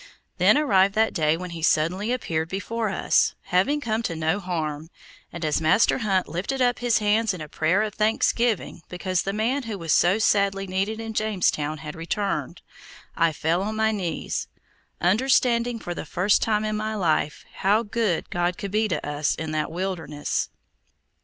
Then arrived that day when he suddenly appeared before us, having come to no harm, and as Master Hunt lifted up his hands in a prayer of thanksgiving because the man who was so sadly needed in Jamestown had returned, I fell on my knees, understanding for the first time in my life how good God could be to us in that wilderness.